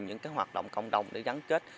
những hoạt động cộng đồng để gắn kết